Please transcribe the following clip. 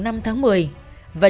và trong một ngày